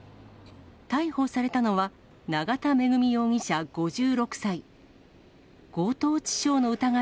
逮捕されたのは、永田恵美容疑者５６歳。